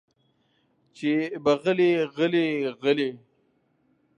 چې به غلې غلې غلې